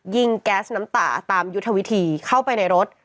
แก๊สน้ำตาตามยุทธวิธีเข้าไปในรถ